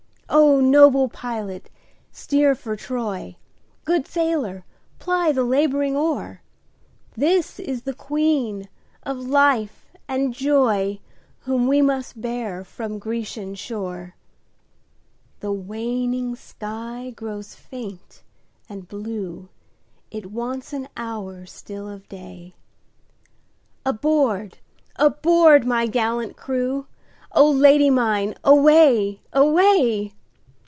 O noble pilot steer for Troy, Good sailor ply the labouring oar, This is the Queen of life and joyWhom we must bear from Grecian shore! The waning sky grows faint and blue, It wants an hour still of day, Aboard! aboard! my gallant crew,O Lady mine away! away!